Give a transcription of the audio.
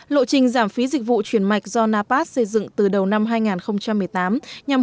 lộ trình giảm phí dịch vụ chuyển mạch do napas xây dựng từ đầu năm hai nghìn một mươi tám nhằm